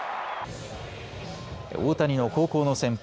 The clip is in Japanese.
大谷の高校の先輩